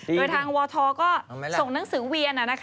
โดยทางวทก็ส่งหนังสือเวียน